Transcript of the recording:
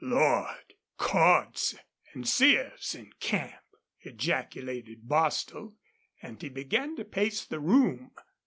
"Lord! Cordts an' Sears in camp," ejaculated Bostil, and he began to pace the room.